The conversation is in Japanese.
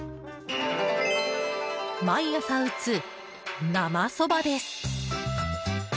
毎朝打つ、生そばです！